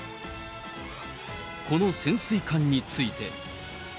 この潜水艦について。